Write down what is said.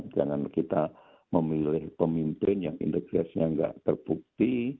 jangan kita memilih pemimpin yang integritasnya enggak terbukti